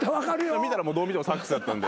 見たらどう見てもサックスだったんで。